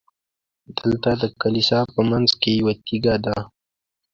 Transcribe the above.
دلته د کلیسا په منځ کې یوه تیږه ده.